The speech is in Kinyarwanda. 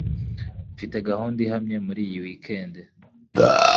Mfite gahunda ihamye muri iyi weekend.